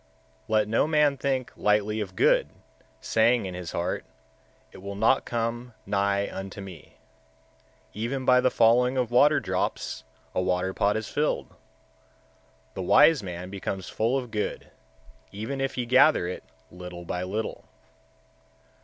122. Let no man think lightly of good, saying in his heart, It will not come nigh unto me. Even by the falling of water drops a water pot is filled; the wise man becomes full of good, even if he gather it little by little.